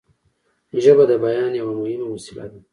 ژبه د بیان یوه مهمه وسیله ده